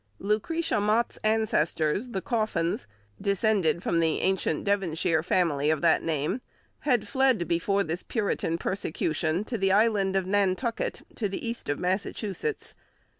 Lucretia Mott's ancestors, the Coffins, descended from the ancient Devonshire family of that name, had fled before this Puritan persecution to the island of Nantucket to the east of Massachusetts.